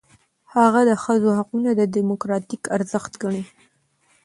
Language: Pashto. هغه د ښځو حقونه دموکراتیک ارزښت ګڼي.